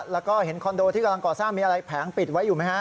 แล้วก็เห็นคอนโดที่กำลังก่อสร้างมีอะไรแผงปิดไว้อยู่ไหมฮะ